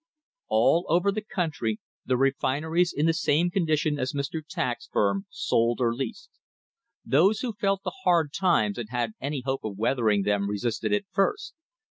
'* All over the country the refineries in the same condition as Mr. Tack's firm sold or leased. Those who felt the hard times and had any hope of weathering them resisted at first.